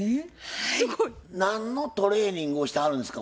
すごい。何のトレーニングをしてはるんですか？